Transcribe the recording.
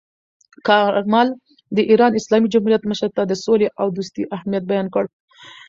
کارمل د ایران اسلامي جمهوریت مشر ته د سولې او دوستۍ اهمیت بیان کړ.